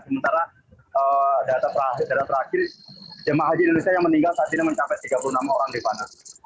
sementara data terakhir jemaah haji indonesia yang meninggal saat ini mencapai tiga puluh enam orang rifana